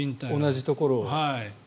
同じところを。